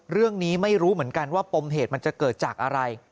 เรื่องนี้ไม่รู้เหมือนกันว่าปมเหตุมันจะเกิดจากอะไร